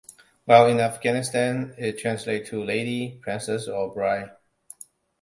While in Afghanistan it translates to "lady", "princess" or "bride".